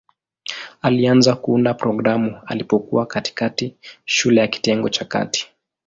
Alianza kuunda programu alipokuwa katikati shule ya kitengo cha kati.